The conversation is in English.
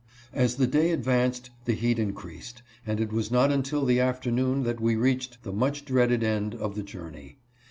As the day advanced the heat increased, and it was not until the afternoon that we reached the much dreaded end of the journey.